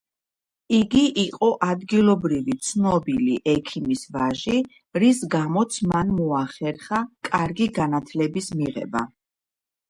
იგი იყო ადგილობრივი, ცნობილი ექიმის ვაჟი, რის გამოც მან მოახერხა კარგი განათლების მიღება.